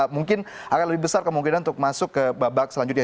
mungkin akan lebih besar kemungkinan untuk masuk ke babak selanjutnya